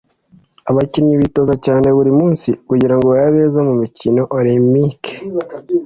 Abakinnyi bitoza cyane buri munsi kugirango babe beza mu mikino Olempike